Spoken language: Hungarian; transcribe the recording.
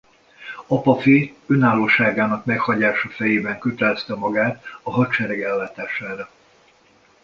Apafi önállóságának meghagyása fejében kötelezte magát a hadsereg ellátására.